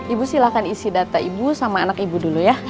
ibu silahkan isi data ibu sama anak ibu dulu ya